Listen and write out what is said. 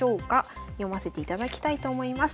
読ませていただきたいと思います。